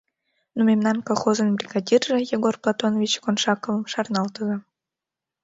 Но мемнан колхозын бригадирже Егор Платонович Коншаковым шарналтыза.